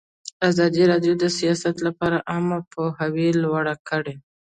ازادي راډیو د سیاست لپاره عامه پوهاوي لوړ کړی.